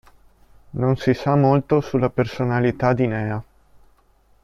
Non si sa molto sulla personalità di Nea.